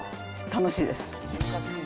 楽しいです。